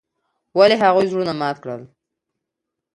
ولې هغوي زړونه مات کړل.